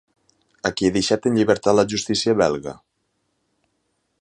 A qui ha deixat en llibertat la justícia belga?